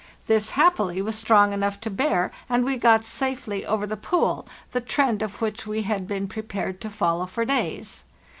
This happily was strong enough to bear, and we got safely over the pool, the trend of which we had been prepared to follow for days.